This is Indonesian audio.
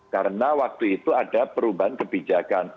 karena waktu itu ada perubahan kebijakan